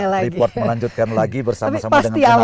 apakah mau meminta report melanjutkan lagi bersama sama dengan penelon